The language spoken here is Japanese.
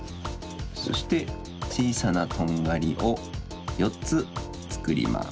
そしてちいさなとんがりをよっつつくります。